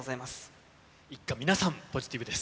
一家皆さん、ポジティブです。